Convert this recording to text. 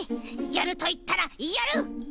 やるといったらやる！